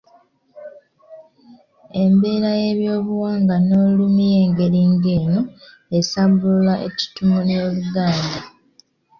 Embeera y’ebyobuwangwa n’Olulimi ey’engeri ng’eno esaabulula ettutumu ly’Oluganda